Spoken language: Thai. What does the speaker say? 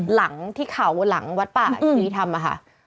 หลังที่เขาหลังวัดป่าชีธรรมอะค่ะ